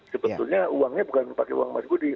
sebetulnya uangnya bukan pakai uang mas budi